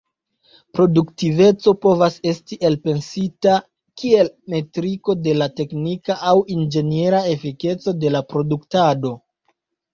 Produktiveco povas esti elpensita kiel metriko de la teknika aŭ inĝeniera efikeco de produktado.